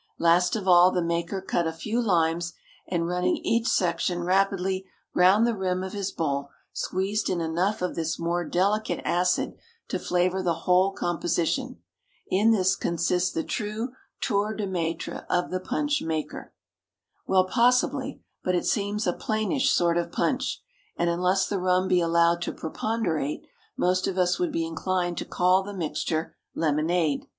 Last of all, the maker cut a few limes, and running each section rapidly round the rim of his bowl, squeezed in enough of this more delicate acid to flavour the whole composition. In this consists the true tour de maitre of the punch maker. Well, possibly; but it seems a plainish sort of punch; and unless the rum be allowed to preponderate, most of us would be inclined to call the mixture lemonade.